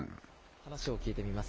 話を聞いてみます。